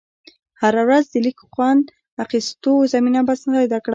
هره ورځ د لیږ خوند اخېستو زمینه مساعده کړه.